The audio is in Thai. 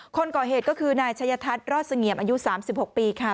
คนก่อเหตุก็คือนายชัยทัศน์รอดเสงี่ยมอายุ๓๖ปีค่ะ